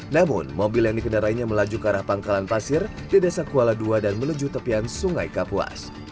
namun mobil yang dikendarainya melaju ke arah pangkalan pasir di desa kuala ii dan menuju tepian sungai kapuas